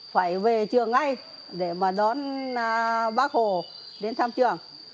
phải về trường ngay để mà đón bác hồ đến thăm trường